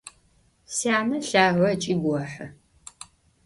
Syane lhage ıç'i gohı.